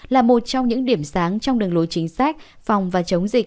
là một trong những điểm sáng trong đường lối chính sách phòng và chống dịch